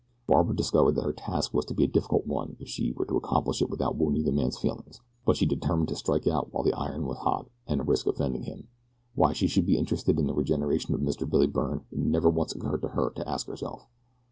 Barbara discovered that her task was to be a difficult one if she were to accomplish it without wounding the man's feelings; but she determined to strike while the iron was hot and risk offending him why she should be interested in the regeneration of Mr. Billy Byrne it never once occurred to her to ask herself.